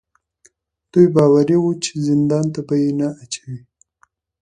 دوی باوري وو چې زندان ته به یې نه اچوي.